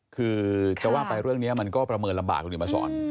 คือจะว่าไปเรื่องนี้มันก็ประเมินลำบากคุณเห็นมาสอน